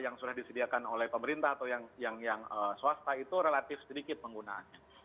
yang sudah disediakan oleh pemerintah atau yang swasta itu relatif sedikit penggunaannya